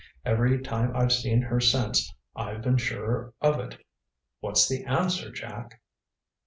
Every time I've seen her since I've been surer of it. What's the answer, Jack?"